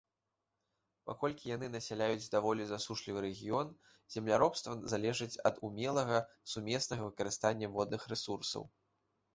Паколькі яны насяляюць даволі засушлівы рэгіён, земляробства залежыць ад умелага сумеснага выкарыстання водных рэсурсаў.